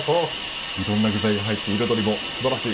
いろんな具材が入って彩りも素晴らしい。